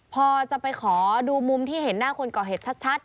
พอจะไปขอดูมุมที่เห็นหน้าคนก่อเหตุชัด